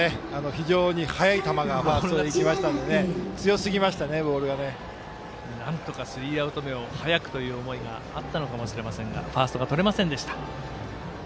非常に速い球がファーストにいきましたのでなんとかスリーアウト目を速くという思いがあったのかもしれませんがファーストがとれませんでした。